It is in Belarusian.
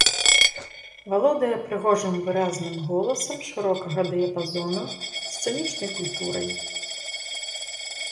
Валодае прыгожым выразным голасам шырокага дыяпазону, сцэнічнай культурай.